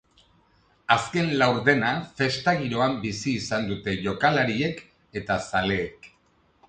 Azken laurdena festa giroan bizi izan dute jokalariek eta zaleek.